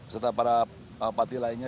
serta para parti lainnya